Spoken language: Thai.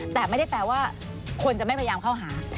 แต่ไม่ได้แปลว่าคนจะไม่พยายามเข้าหา